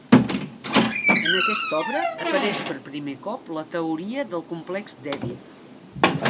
En aquesta obra apareix per primer cop la teoria del complex d'Èdip.